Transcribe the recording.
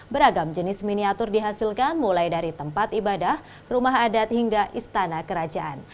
beragam jenis miniatur dihasilkan mulai dari tempat ibadah rumah adat hingga istana kerajaan